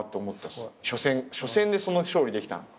初戦でその勝利できたの。